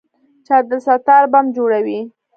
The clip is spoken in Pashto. چې عبدالستار بم جوړوي.